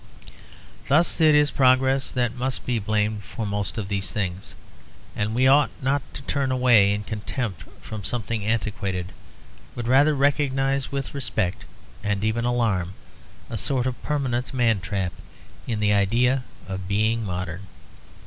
Thus it is progress that must be blamed for most of these things: and we ought not to turn away in contempt from something antiquated, but rather recognise with respect and even alarm a sort of permanent man trap in the idea of being modern.